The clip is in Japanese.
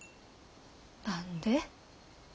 何で？